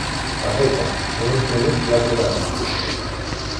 Perfecte, en uns minuts la trucarem.